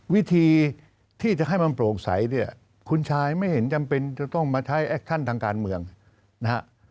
วิธีที่จะให้มันโปร่งใสเนี่ยคุณชายไม่เห็นจำเป็นจะต้องมาใช้แอคชั่นทางการเมืองนะฮะ